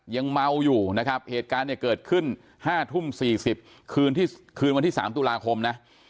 ยังเมาอยู่นะครับเหตุการณ์เนี่ยเกิดขึ้น๕ทุ่ม๔๐คืนวันที่๓ตุลาคมนะ